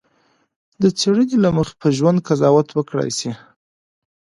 د څېړنې له مخې په ژوند قضاوت وکړای شي.